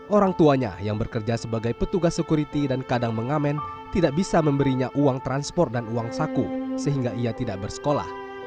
orang tuanya yang bekerja sebagai petugas security dan kadang mengamen tidak bisa memberinya uang transport dan uang saku sehingga ia tidak bersekolah